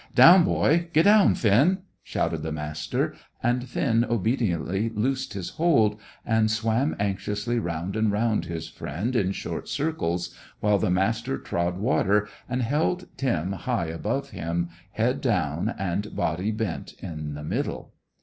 "Down, boy! Get down, Finn!" shouted the Master; and Finn obediently loosed his hold, and swam anxiously round and round his friend in short circles, while the Master trod water, and held Tim high above him, head down, and body bent in the middle.